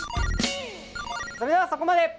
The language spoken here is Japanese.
それではそこまで！